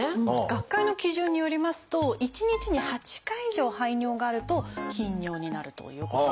学会の基準によりますと１日に８回以上排尿があると「頻尿」になるということなんです。